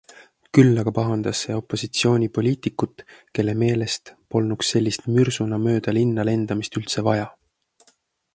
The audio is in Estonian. Küll aga pahandas see opositsioonipoliitikut, kelle meelest polnuks sellist mürsuna mööda linna lendamist üldse vaja.